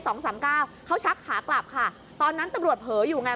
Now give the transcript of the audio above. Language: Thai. สองสามเก้าเขาชักขากลับค่ะตอนนั้นตำรวจเผลออยู่ไง